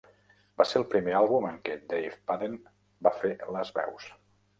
Va ser el primer àlbum en què Dave Padden va fer les veus.